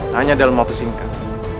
hanya dalam waktu singkat